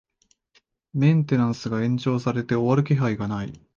メンテナンスが延長されて終わる気配がない